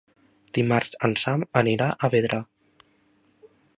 Dimarts en Sam anirà a Vidrà.